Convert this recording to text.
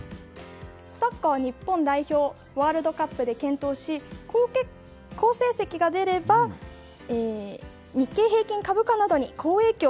サッカー日本代表ワールドカップで検討し好成績が出れば日経平均株価などに好影響。